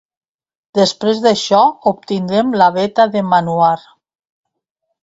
Després d'això obtindrem la veta de manuar.